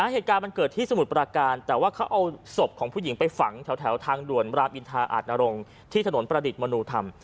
เหตุการณ์มันเกิดที่สมุทรประการแต่ว่าเขาเอาศพของผู้หญิงไปฝังแถวทางด่วนรามอินทาอาจนรงค์ที่ถนนประดิษฐ์มนุธรรม